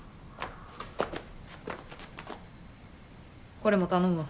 これも頼むわ。